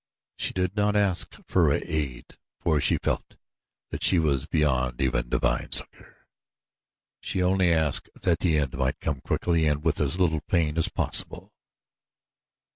She did not ask for aid, for she felt that she was beyond even divine succor she only asked that the end might come quickly and with as little pain as possible.